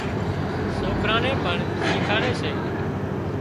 سوڪران نين پڻ شيکاڙي سي